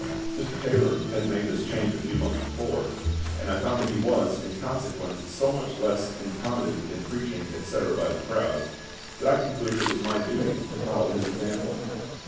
Mr. Taylor had made this change a few months before, and I found that he was, in consequence, so much less incommoded in preaching, etc., by the crowd, that I concluded it was my duty to follow his example.